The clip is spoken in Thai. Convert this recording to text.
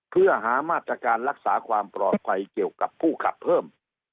เพื่อหามาตรการรักษาความปลอดภัยเกี่ยวกับผู้ขับเพิ่ม